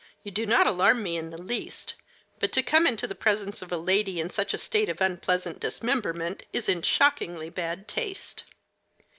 You do not alarm me in the least; but to come into the presence of a lady in such a state of unpleasant dismemberment is in shockingly bad taste."